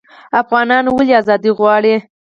افغانان ولې ازادي غواړي؟